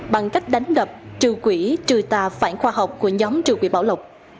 bằng cách đánh đập trừ quỷ trừ tà phản khoa học của nhóm trừ quỷ bảo lộc